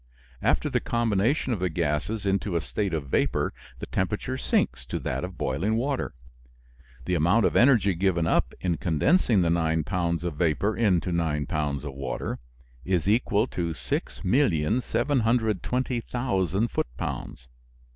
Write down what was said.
After the combination of the gases into a state of vapor the temperature sinks to that of boiling water. The amount of energy given up in condensing the nine pounds of vapor into nine pounds of water is equal to 6,720,000 foot pounds.